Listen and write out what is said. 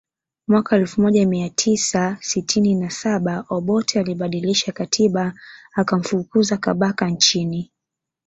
Mwaka elfu moja mia tisa sitini na saba Obote alibadilisha katiba akamfukuza Kabaka nchini